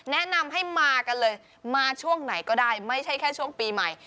แนะนำให้มากันเลยมาช่วงไหนก็ได้ไม่ใช่แค่ช่วงปีใหม่